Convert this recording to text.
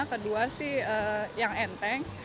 kedua sih yang enteng